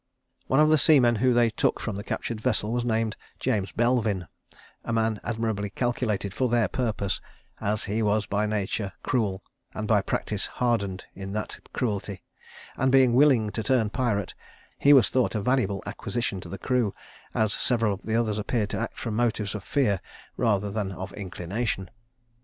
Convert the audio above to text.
One of the seamen whom they took from the captured vessel was named James Belvin, a man admirably calculated for their purpose, as he was by nature cruel, and by practice hardened in that cruelty; and being willing to turn pirate, he was thought a valuable acquisition to the crew, as several of the others appeared to act from motives of fear rather than of inclination.